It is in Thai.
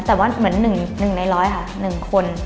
แต่ว่าเหมือน๑ใน๑๐๐ค่ะ๑คน